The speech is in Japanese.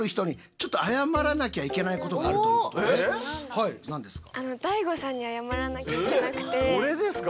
はい何ですか？